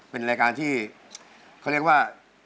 เป็นรายการที่เขาเรียกว่า